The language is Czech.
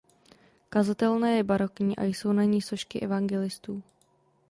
Kazatelna je barokní a jsou na ní sošky evangelistů.